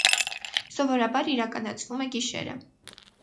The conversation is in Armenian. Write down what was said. Սովորաբար իրականացվում է գիշերը։